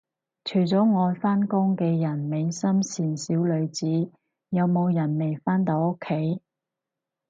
除咗愛返工嘅人美心善小女子，有冇人未返到屋企